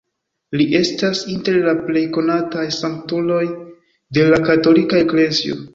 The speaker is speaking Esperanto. Li estas inter la plej konataj sanktuloj de la katolika eklezio.